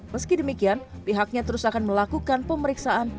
meski demikian pihaknya terus akan melakukan pemeriksaan